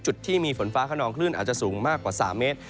จุดที่มีฝนฟ้าขนองคลื่นอาจจะสูงมากกว่า๓เมตร